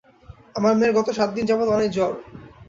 আমার মেয়ের গত সাত দিন যাবত অনেক জ্বর।